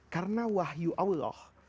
karena wahyu allah